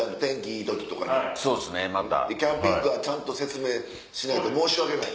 キャンピングカーちゃんと説明しないと申し訳ない。